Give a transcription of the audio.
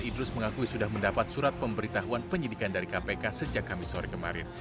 idrus mengakui sudah mendapat surat pemberitahuan penyidikan dari kpk sejak kamis sore kemarin